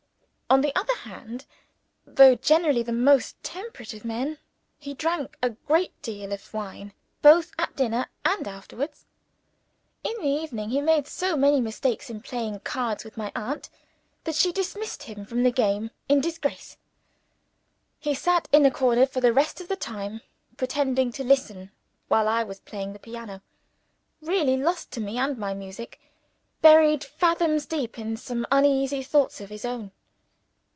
On the other hand (though generally the most temperate of men) he drank a great deal of wine, both at dinner and after. In the evening, he made so many mistakes in playing cards with my aunt, that she dismissed him from the game in disgrace. He sat in a corner for the rest of the time, pretending to listen while I was playing the piano really lost to me and my music; buried, fathoms deep, in some uneasy thoughts of his own.